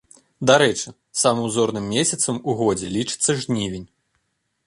Дарэчы, самым зорным месяцам у годзе лічыцца жнівень.